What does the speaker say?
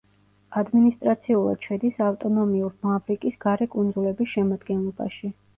ადმინისტრაციულად შედის ავტონომიურ მავრიკის გარე კუნძულების შემადგენლობაში.